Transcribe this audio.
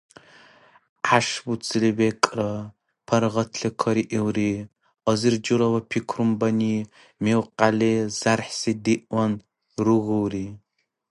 ГӀяшбуцили бекӀра, паргъатли кариилри, азир журала пикрумани, милкъяли зярхӀси диъван, ругулри.